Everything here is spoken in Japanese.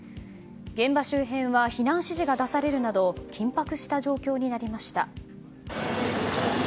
現場周辺は避難指示が出されるなど緊迫した状況になりました。